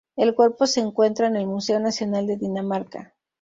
El cuerpo se encuentra en el Museo Nacional de Dinamarca.